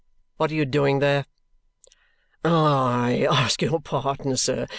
What are you doing there?" "I ask your pardon, sir.